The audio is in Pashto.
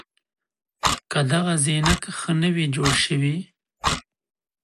که دغه زېنک ښه نه وي جوړ شوي